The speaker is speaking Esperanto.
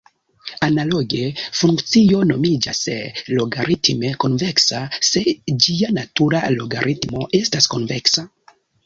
Analoge, funkcio nomiĝas logaritme konveksa se ĝia natura logaritmo estas konveksa.